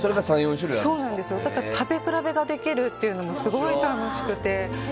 食べ比べができるのもすごい楽しくて。